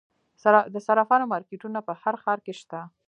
د صرافانو مارکیټونه په هر ښار کې شته